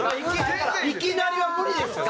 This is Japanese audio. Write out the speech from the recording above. いきなりは無理ですよ。